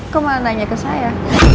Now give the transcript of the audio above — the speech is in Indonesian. kok mau nanya ke saya